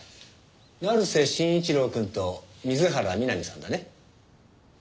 成瀬真一郎くんと水原美波さんだね？